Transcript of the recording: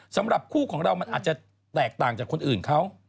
สำหรับคู่ของเรามันอาจจะแตกต่างจากคนอื่นเขา